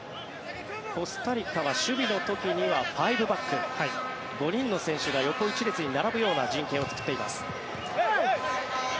コスタリカは守備の時には５バック、５人の選手が横一列に並ぶような陣形を作っています。